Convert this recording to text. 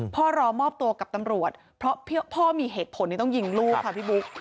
รอมอบตัวกับตำรวจเพราะพ่อมีเหตุผลที่ต้องยิงลูกค่ะพี่บุ๊ค